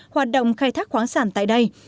hoạt động khai thác khoáng sản tại đây